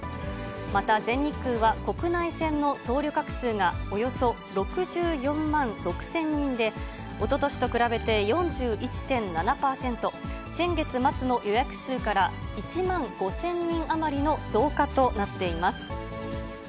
また全日空は、国内線の総旅客数がおよそ６４万６０００人で、おととしと比べて４１．７％、先月末の予約数から１万５０００人余りの増加となっています。